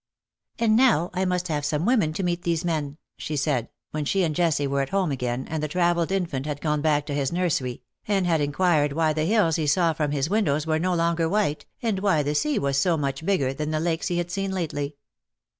"And now I must have some women to meet these men/^ she said, when she and Jessie were at home again, and the travelled infant had gone back to his nursery, and had inquired why the hills he saw from his windows were no longer white, and " TIME TURNS THE OLD DAYS TO DERISION/^ 147 why the sea was so much bigger than the lakes he had seen lately.